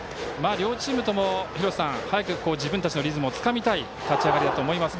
両チームともに廣瀬さん、自分たちのリズムをつかみたい立ち上がりだと思いますが。